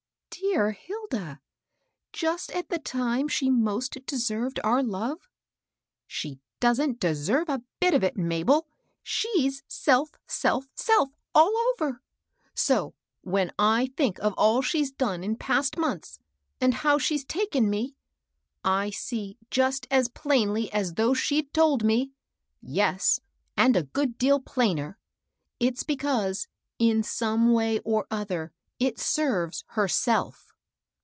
^^ Dear Hilda ! just at the time she most de served our love/ " She don't deserve a bit of it, Mabel ; she's self, self, self, all over. So when I think <^ all she's done in past months, and how she's taken me, I see just as plainly as though she'd told me, — yes, and a good deal plainer, — it's because, in some way or other, it serves herself.